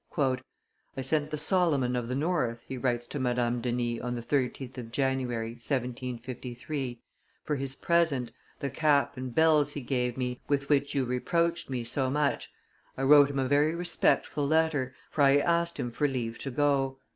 "I sent the Solomon of the North," he writes to Madame Denis on the 13th of January, 1753, "for his present, the cap and bells he gave me, with which you reproached me so much. I wrote him a very respectful letter, for I asked him for leave to go.